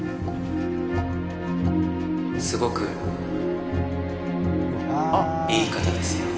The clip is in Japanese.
すごくいい方ですよ。